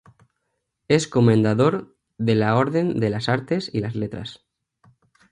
Es comendador de la Orden de las Artes y las Letras.